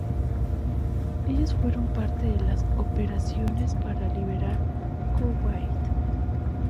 Ellos fueron parte de las operaciones para liberar Kuwait.